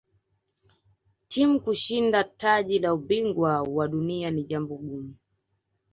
timu kushinda taji la ubingwa wa dunia ni jambo gumu